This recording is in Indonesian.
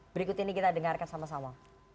berikut ini kita dengarkan sama sama